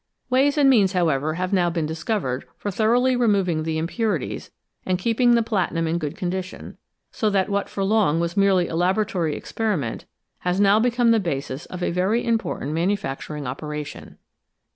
Ways and means, however, have now been discovered for thoroughly removing the impurities and keeping the platinum in good condition, so that what for long was merely a laboratory experiment has now become the basis of a very important manufacturing operation.